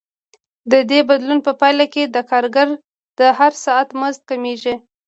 د دې بدلون په پایله کې د کارګر د هر ساعت مزد کمېږي